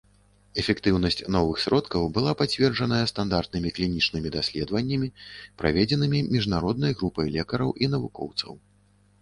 Эфектыўнасць новых сродкаў была пацверджаная стандартнымі клінічнымі даследаваннямі, праведзенымі міжнароднай групай лекараў і навукоўцаў.